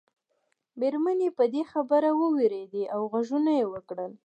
مېرمنې په دې خبره ووېرېدې او غږونه یې وکړل.